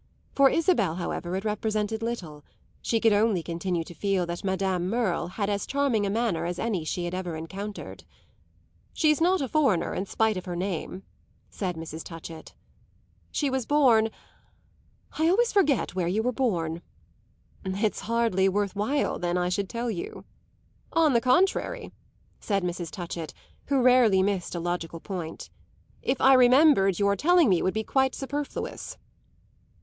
For Isabel, however, it represented little; she could only continue to feel that Madame Merle had as charming a manner as any she had ever encountered. "She's not a foreigner in spite of her name," said Mrs. Touchett. "She was born I always forget where you were born." "It's hardly worth while then I should tell you." "On the contrary," said Mrs. Touchett, who rarely missed a logical point; "if I remembered your telling me would be quite superfluous."